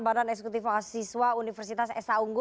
pemerintahan eksekutif mahasiswa universitas sa unggul